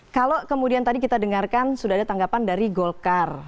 kalau kemudian tadi kita dengarkan sudah ada tanggapan dari golkar